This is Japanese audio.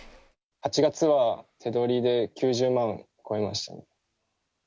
８月は手取りで９０万超えました。